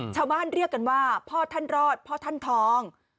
เรียกกันว่าพ่อท่านรอดพ่อท่านทอง